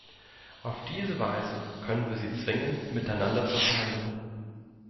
Auf diese Weise können wir sie zwingen, miteinander zu verhandeln.